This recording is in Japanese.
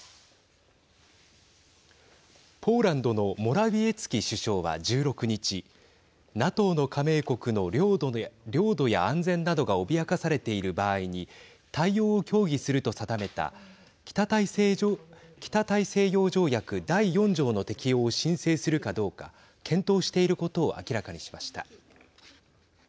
ポーランドのモラウィエツキ首相は１６日ＮＡＴＯの加盟国の領土や安全などが脅かされている場合に対応を協議すると定めた北大西洋条約第４条の適用を申請するかどうか検討していることを明らかにしました。